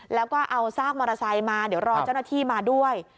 แล้วก็เอาซากมอเตอร์ไซค์มาเดี๋ยวรอเจ้าหน้าที่มาด้วย